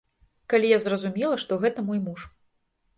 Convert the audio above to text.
Калі я зразумела, што гэта мой муж.